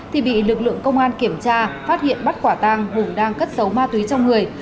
thì bị lực lượng công an kiểm tra phát hiện bắt quả tang hùng đang cất giấu ma túy trong người